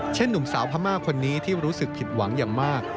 หนุ่มสาวพม่าคนนี้ที่รู้สึกผิดหวังอย่างมาก